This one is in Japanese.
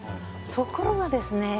ところがですね